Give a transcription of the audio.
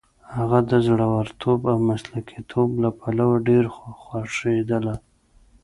هغه د زړورتوب او مسلکیتوب له پلوه ډېره خوښېدله.